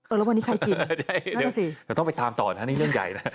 เออแล้ววันนี้ใครกินนั่นแหละสิใช่แต่ต้องไปตามต่อนะนี่เรื่องใหญ่นะ